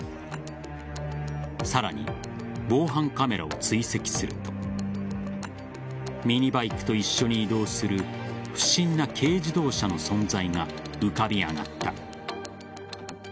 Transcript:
さらに防犯カメラを追跡するとミニバイクと一緒に移動する不審な軽自動車の存在が浮かび上がった。